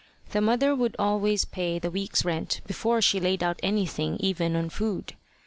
The mother would always pay the week's rent before she laid out anything even on food.